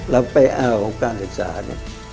เราไปเอาการศึกษานี้